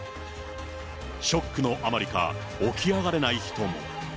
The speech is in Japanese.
ショックのあまりか、起き上がれない人も。